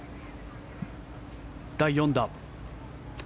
第４打。